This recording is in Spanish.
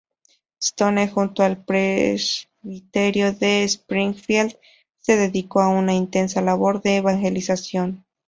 Stone, junto al Presbiterio de Springfield, se dedicó a una intensa labor de evangelización.